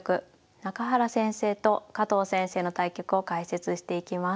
中原先生と加藤先生の対局を解説していきます。